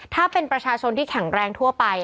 ถ้าเป็นประชาชนที่แข็งแรงทั่วไป